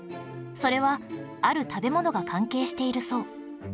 それはある食べ物が関係しているそう